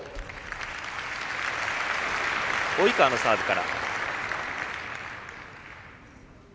及川のサーブから。